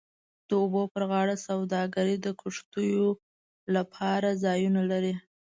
د اوبو پر غاړه سوداګرۍ د کښتیو لپاره ځایونه لري